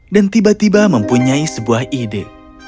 dan tiba tiba mempunyai sebuah ide